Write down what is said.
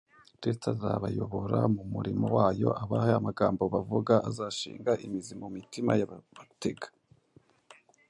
Kristo azabayobora mu murimo wayo, abahe amagambo bavuga azashinga imizi mu mitima y’ababatega.